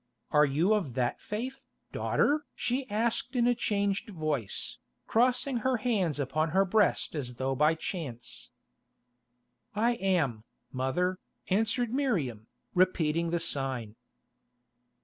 "Are you of that faith, daughter?" she asked in a changed voice, crossing her hands upon her breast as though by chance. "I am, mother," answered Miriam, repeating the sign.